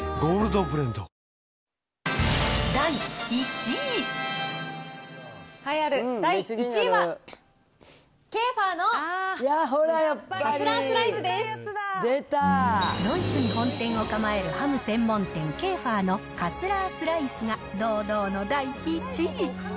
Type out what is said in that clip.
ドイツに本店を構えるハム専門店、ケーファーのカスラースライスが、堂々の第１位。